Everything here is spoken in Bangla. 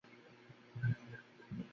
শীতের সন্ধ্যা, অন্ধকার হয়ে এসেছে।